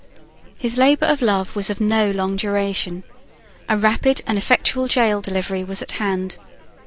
His labour of love was of no long duration. A rapid and effectual gaol delivery was at hand.